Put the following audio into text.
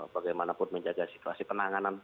bagaimanapun menjaga situasi penanganan